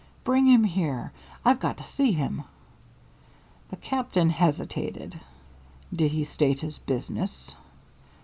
"Bring him here. I've got to see him." The Captain hesitated. "Did he state his business?"